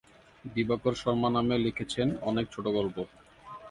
দিবাকর শর্মা নামে লিখেছেন অনেক ছোটগল্প।